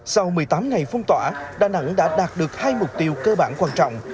sau một mươi tám ngày phong tỏa đà nẵng đã đạt được hai mục tiêu cơ bản quan trọng